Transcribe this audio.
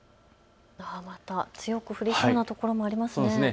また強く降りそうなところもありますね。